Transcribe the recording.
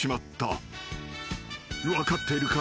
［分かっているか？